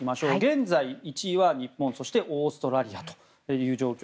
現在、１位は日本とオーストラリアという状況。